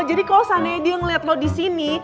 jadi kalo seandainya dia ngeliat lo disini